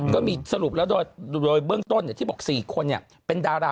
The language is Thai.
ก็มีสรุปแล้วโดยเบื้องต้นแบบที่บอกสี่คนเนี่ยเป็นดารา